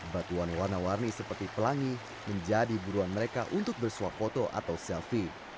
batuan warna warni seperti pelangi menjadi buruan mereka untuk bersuap foto atau selfie